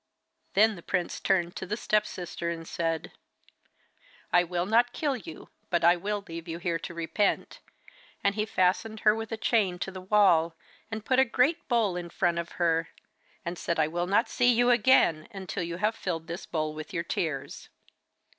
Then the prince turned to the step sister and said: 'I will not kill you, but I will leave you here to repent.' And he fastened her with a chain to the wall, and put a great bowl in front of her and said, 'I will not see you again till you have filled this bowl with your tears.